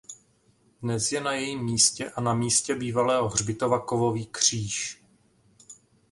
Dnes je na jejím místě a na místě bývalého hřbitova kovový kříž.